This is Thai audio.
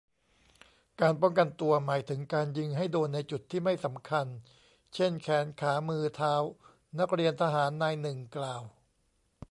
"การป้องกันตัวหมายถึง การยิงให้โดนในจุดที่ไม่สำคัญ เช่น แขน ขา มือ เท้า" นักเรียนทหารนายหนึ่งกล่าว